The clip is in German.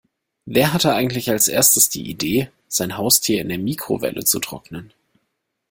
Wer hatte eigentlich als Erstes die Idee, sein Haustier in der Mikrowelle zu trocknen?